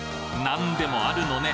なんでもあるのね